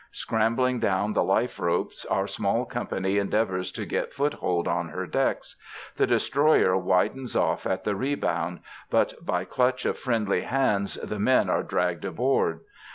Scrambling down the life ropes, our small company endeavors to get foothold on her decks. The destroyer widens off at the rebound, but by clutch of friendly hands the men are dragged aboard.